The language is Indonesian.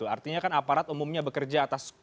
artinya kan aparat umumnya bekerja atas